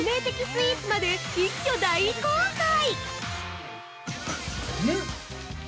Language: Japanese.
スイーツまで一挙大公開！